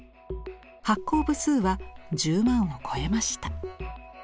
発行部数は１０万を超えました。